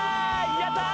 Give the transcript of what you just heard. やったー！